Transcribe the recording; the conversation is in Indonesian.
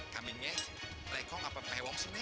kambingnya lekong apa pewong sih nek